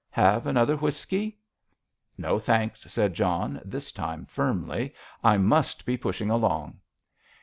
Have another whisky?" "No, thanks," said John, this time firmly. "I must be pushing along."